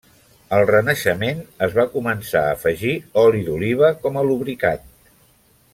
Al renaixement es va començar a afegir oli d'oliva com a lubricant.